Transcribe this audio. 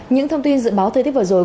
những thông tin dự báo thời tiết vừa rồi